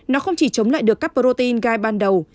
nó không chỉ chống lại được các protein gai ban đầu